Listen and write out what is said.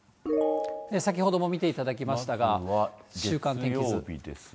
先ほども見ていただきましたが、週間天気図。